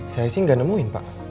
saya sih nggak nemuin pak